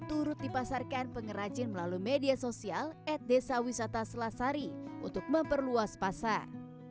turut dipasarkan pengrajin melalui media sosial at desa wisata selasari untuk memperluas pasar